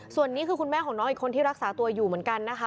ส่วนนี้คือคุณแม่ของน้องอีกคนที่รักษาตัวอยู่เหมือนกันนะคะ